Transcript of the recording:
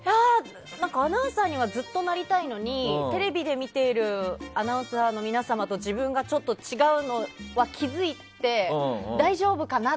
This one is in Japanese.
アナウンサーにはずっとなりたいのにテレビで見ているアナウンサーの皆様と自分がちょっと違うのは気づいて大丈夫かな？